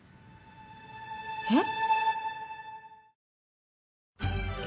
えっ？